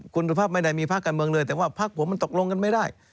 คุณสุภาพไม่ได้มีภาคการเมืองเลยแต่ว่าพักผมมันตกลงกันไม่ได้